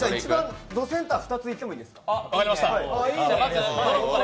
どセンター２ついってもいいですか？